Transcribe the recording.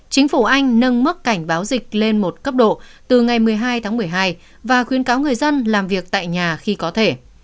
chính phủ anh nâng mức cảnh báo dịch lên một cấp độ từ ngày một mươi hai tháng một mươi hai và khuyến cáo người dân làm việc tại nhà khi có thể